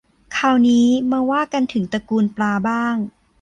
คราวนี้มาว่ากันถึงตระกูลปลาบ้าง